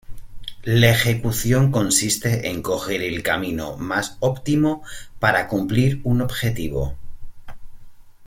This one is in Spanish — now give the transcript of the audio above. La ejecución consiste en coger el camino más óptimo para cumplir un objetivo.